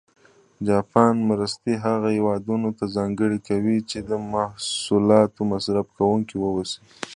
جاپان مرستې هغه هېوادونه ته ځانګړې کوي چې د محصولاتو مصرف کوونکي و اوسي.